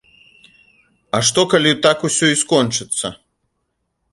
А што, калі так усё і скончыцца?